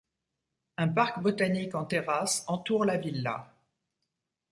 Un parc botanique en terrasses entoure la villa.